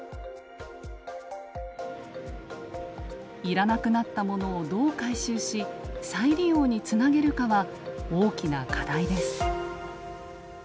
要らなくなったものをどう回収し再利用につなげるかは大きな課題です。